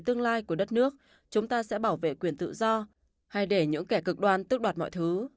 ông chủ nhà trắng nói